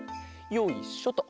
よいしょと。